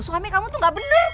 suami kamu tuh gak bener